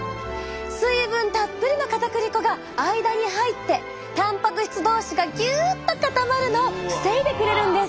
水分たっぷりのかたくり粉が間に入ってたんぱく質同士がぎゅっと固まるのを防いでくれるんです。